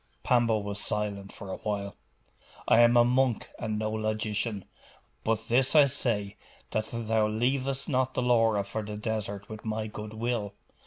Pambo was silent for a while. 'I am a monk and no logician. But this I say, that thou leavest not the Laura for the desert with my good will.